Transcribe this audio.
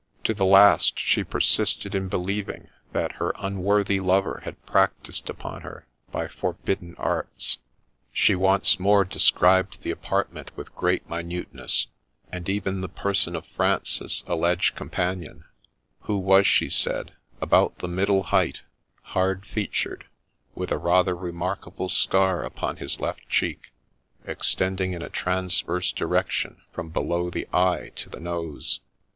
To the last she persisted in believing that her unworthy lover had practised upon her by forbidden arts. She once more described the apartment with great minute ness, and even the person of Francis's alleged companion, who was, she said, about the middle height, hard featured, with a rather remarkable scar upon his left cheek, extending in a transverse direction from below the eye to the nose.